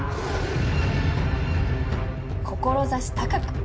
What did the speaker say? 「志高く！」